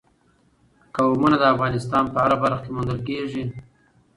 قومونه د افغانستان په هره برخه کې موندل کېږي.